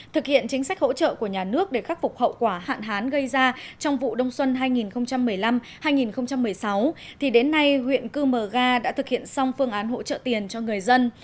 thực hiện chính sách hỗ trợ của nhà nước để khắc phục hậu quả hạn hán gây ra trong vụ đông xuân hai nghìn một mươi năm hai nghìn một mươi sáu thì đến nay huyện cư mờ ga đã thực hiện xong phương án hỗ trợ tiền cho người dân